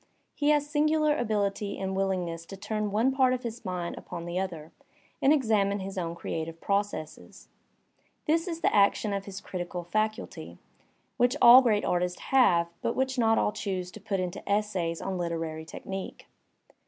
He has singular ability and willingness to turn one part of his mind upon the other and examine his own creative processes. This is the action of his critical faculty, which all great artists have, but which not all choose to put into essays on literary technique.